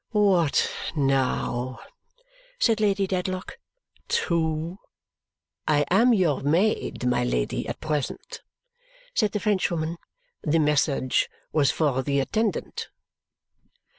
"What now?" said Lady Dedlock. "Two!" "I am your maid, my Lady, at the present," said the Frenchwoman. "The message was for the attendant."